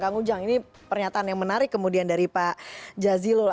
kang ujang ini pernyataan yang menarik kemudian dari pak jazilul